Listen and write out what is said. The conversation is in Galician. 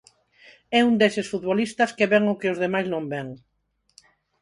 É un deses futbolistas que ven o que os demais non ven.